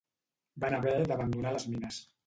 Van haver d'abandonar les mines.